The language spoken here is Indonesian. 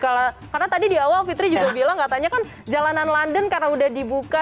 karena tadi di awal fitri juga bilang katanya kan jalanan london karena udah dibuka